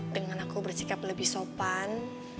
dengan aku bersikap lebih sopan